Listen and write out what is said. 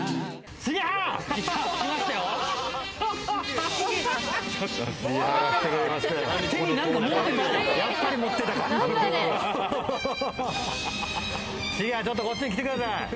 シゲハちょっとこっちに来てください。